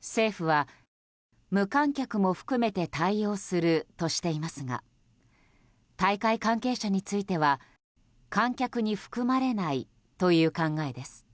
政府は、無観客も含めて対応するとしていますが大会関係者については観客に含まれないという考えです。